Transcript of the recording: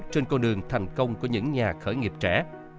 trên con đường thành công của những nhà khởi nghiệp trẻ